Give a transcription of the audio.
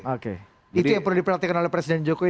oke itu yang perlu diperhatikan oleh presiden jokowi